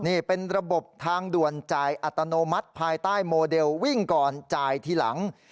นี่เป็นระบบทางด่วนจ่ายอัตโนมัติภายใต้โมเดลวิ่งก่อนจ่ายทีหลัง